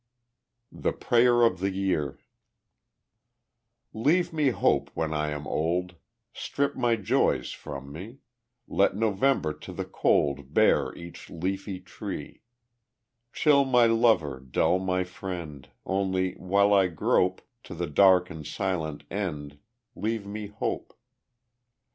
The Prayer of the Year Leave me Hope when I am old, Strip my joys from me, Let November to the cold Bare each leafy tree; Chill my lover, dull my friend, Only, while I grope To the dark the silent end, Leave me Hope!